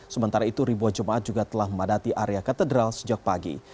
sementara itu ribuan jemaat juga telah memadati area katedral sejak pagi